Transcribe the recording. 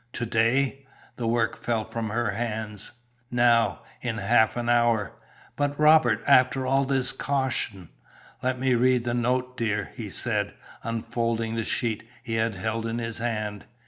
"To day?" The work fell from her hands. "Now. In half an hour." "But Robert, after all his caution!" "Let me read the note, dear," he said, unfolding the sheet he had held in his hand.